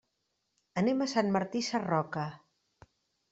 Anem a Sant Martí Sarroca.